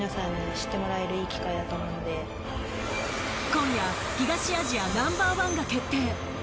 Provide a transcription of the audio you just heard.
今夜東アジアナンバー１が決定。